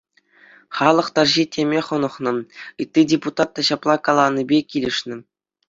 Халӑх тарҫи теме хӑнӑхнӑ ытти депутат та ҫапла каланипе килӗшнӗ.